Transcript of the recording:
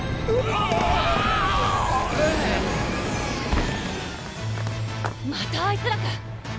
あぁまたあいつらか！